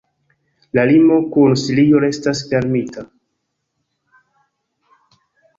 La limo kun Sirio restas fermita.